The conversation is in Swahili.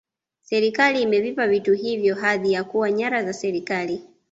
serikali imevipa vitu hivyo hadhi ya kuwa nyara za serikali